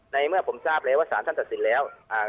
ในเมื่อผมทราบแล้วว่าสารท่านตัดสินแล้วอ่า